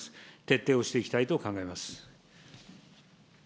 徹底をしていきたいと考えます。